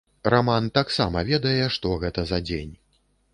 Раман таксама ведае, што гэта за дзень.